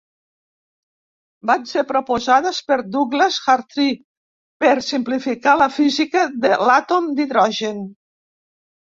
Van ser proposades per Douglas Hartree per simplificar la física de l'àtom d'hidrogen.